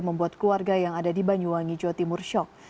membuat keluarga yang ada di banyuwangi jawa timur shock